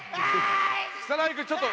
草薙君ちょっと。